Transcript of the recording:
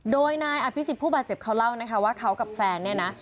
โดยนายอภิษฎผู้บาดเจ็บเขาเล่านะคะว่าเขากับแฟนเนี่ยนะ